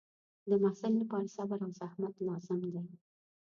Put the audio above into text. د محصل لپاره صبر او زحمت لازم دی.